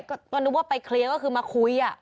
ก็นึกว่าไปเคลียร์ก็คือมาคุย